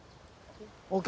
ＯＫ？